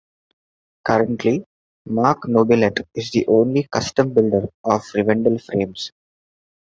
Currently, Mark Nobilette is the only custom builder of Rivendell frames.